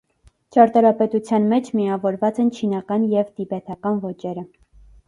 Ճարտարապետության մեջ միավորված են չինական և տիբեթական ոճերը։